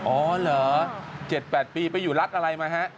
อ๋อเหรอ๗๘ปีไปอยู่รัฐอะไรมาฮะ